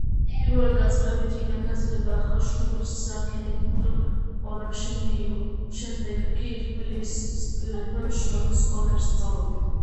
პირველდაწყებითი განათლება ხაშურის სარკინიგზო სკოლაში მიიღო, შემდეგ კი თბილისის პირველ შრომის სკოლაში სწავლობდა.